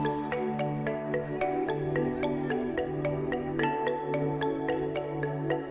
dan penyelenggaraan dua ribu sembilan belas nya yang telah meninggal